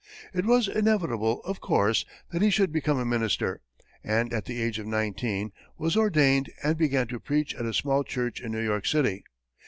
It was inevitable, of course, that he should become a minister, and, at the age of nineteen, was ordained and began to preach at a small church in New York City.